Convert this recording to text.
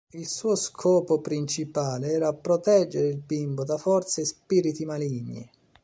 Il suo scopo principale era proteggere il bimbo da forze e spiriti maligni.